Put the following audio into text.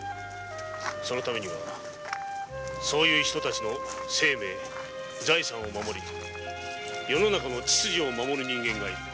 そのためにはそういう人たちの生命財産を守り世の中の秩序を守る人間がいる。